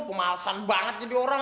pemalsan banget jadi orang